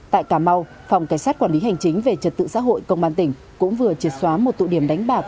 tại cà mau phòng cảnh sát quản lý hành chính về trật tự xã hội công an tỉnh cũng vừa triệt xóa một tụ điểm đánh bạc